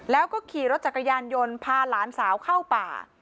แล้วก็ขี่รถจักรยานยนต์พาหลานสาวเข้าป่า